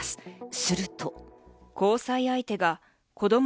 すると。